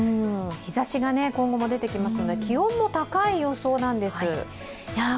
日ざしが今後も出てきますので気温も高い予想なんです。